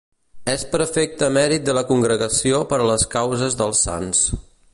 És Prefecte emèrit de la Congregació per a les Causes dels Sants.